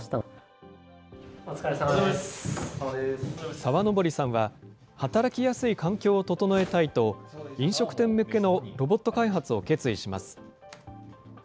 沢登さんは、働きやすい環境を整えたいと、飲食店向けのロボット開発を決意します。